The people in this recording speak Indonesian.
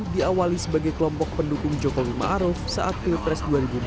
diawali sebagai kelompok pendukung jokowi ma'aruf saat pilpres dua ribu empat belas